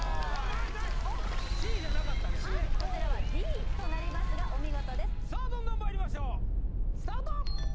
こちらはＤとなりますがお見事ですさあどんどんまいりましょうスタート！